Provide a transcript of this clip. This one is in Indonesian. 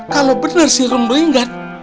kalau bener si rum ringgat